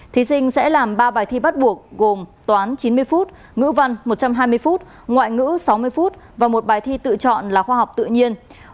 thí sinh sẽ làm ba bài thi bắt buộc gồm toán chín mươi phút ngữ văn một trăm hai mươi phút ngoại ngữ sáu mươi phút và một bài thi tự chọn là khoa học tự nhiên